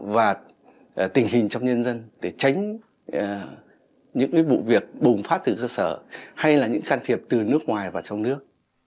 và tình hình trong nhân dân để tránh những bụi việc bùng phát từ cơ sở hay là những can thiệp từ nước ngoài vào trong nước